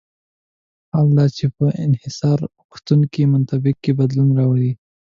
حال دا چې په انحصارغوښتونکي منطق کې بدلون نه راولي.